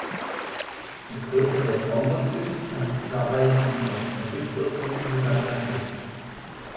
Die Größe der Thrombozyten kann dabei die von Erythrozyten sogar übertreffen.